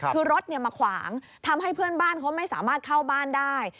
คือรถมาขวางทำให้เพื่อนบ้านเขาไม่สามารถเข้าบ้านได้